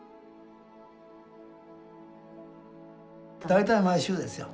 大体毎週ですよ。